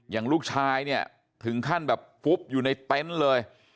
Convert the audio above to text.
อย่างลูกชายเนี่ยถึงขั้นแบบฟุบอยู่ในเต็นต์เลย